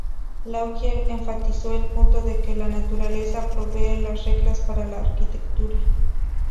Laugier enfatizó el punto de que la naturaleza provee las reglas para la arquitectura.